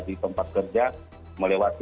di tempat kerja melewati